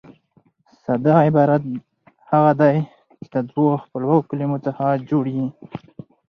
ساده عبارت هغه دئ، چي د دوو خپلواکو کلیمو څخه جوړ يي.